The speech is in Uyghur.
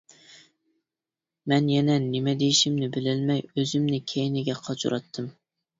مەن يەنە نېمە دېيىشىمنى بىلەلمەي ئۆزۈمنى كەينىگە قاچۇراتتىم.